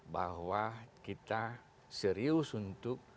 bahwa kita serius untuk